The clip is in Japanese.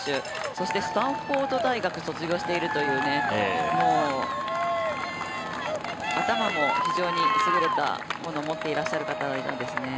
そしてスタンフォード大学を卒業しているという頭も非常に優れたものを持っていらっしゃる方なんですね。